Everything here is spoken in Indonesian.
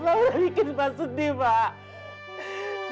lu udah bikin emak sedih maaf